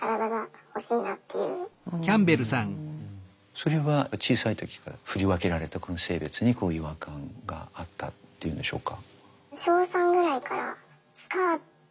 それは小さい時から振り分けられたこの性別にこう違和感があったっていうんでしょうか？